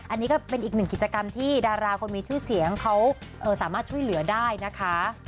อันนี้ก็เป็นอีกหนึ่งกิจกรรมที่ดาราคนมีชื่อเสียงเขาสามารถช่วยเหลือได้นะคะ